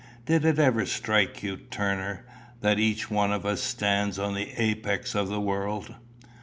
Did it ever strike you, Turner, that each one of us stands on the apex of the world?